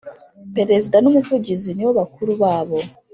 Perezida n ‘Umuvugizi nibo bakuru babo.